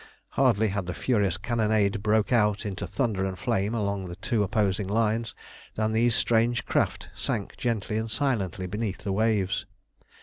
Hardly had the furious cannonade broken out into thunder and flame along the two opposing lines, than these strange craft sank gently and silently beneath the waves.